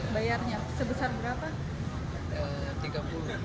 bayarnya sebesar berapa